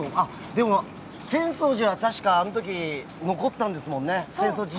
でも浅草寺は確かあの時、残ったんですものね。